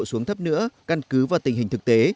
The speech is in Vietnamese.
xuống thấp nữa căn cứ vào tình hình thực tế